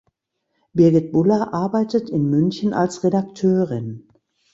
Birgit Bulla arbeitet in München als Redakteurin.